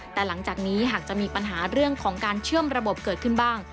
แต่หลังจากนี้หากจะมีปัญหาเรื่องของการเชื่อมระบบเกิดขึ้นบ้าง